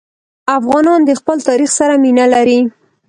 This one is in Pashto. افغانان د خپل تاریخ سره مینه لري.